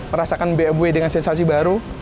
merasakan bmw dengan sensasi baru